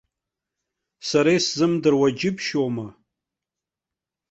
Сара исзымдыруа џьыбшьома?